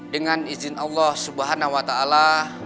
dengan izin allah subhanahu wa ta'ala